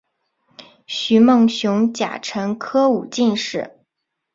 徐梦熊甲辰科武进士。